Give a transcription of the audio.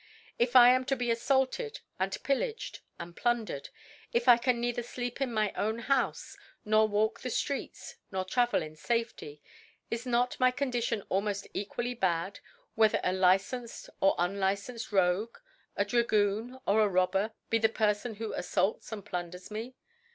If I am to be affaulted and pillaged, and plunder ed ; if I can neither flecp in my own Houfe, nor walk the Streets, nor travel in Safety; is not tny Condition aimoft equally bad whether a licenced or unlicenced Rogue,a Dragoon or a Robber, be the Perfon who aflaults and plunders me?